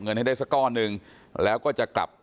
ไม่ตั้งใจครับ